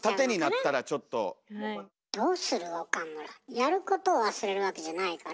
やることを忘れるわけじゃないから。